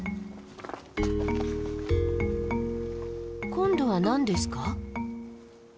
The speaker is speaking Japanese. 今度は何ですか？